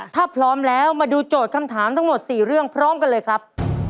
ถ้าพร้อมแล้วมาดูโจทย์คำถามทั้งหมด๔เรื่องพร้อมกันเลยครับ